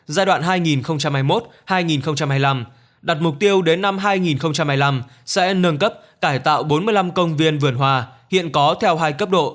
giai đoạn hai nghìn hai mươi một hai nghìn hai mươi năm đặt mục tiêu đến năm hai nghìn hai mươi năm sẽ nâng cấp cải tạo bốn mươi năm công viên vườn hoa hiện có theo hai cấp độ